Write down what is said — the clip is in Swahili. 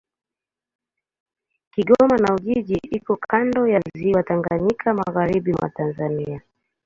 Kigoma na Ujiji iko kando ya Ziwa Tanganyika, magharibi mwa Tanzania.